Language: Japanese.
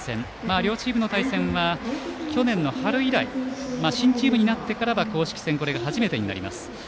両チームの対戦は去年の春以来新チームになってからは甲子園初めてとなります。